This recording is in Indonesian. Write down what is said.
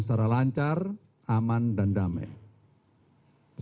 secara lancar aman dan damai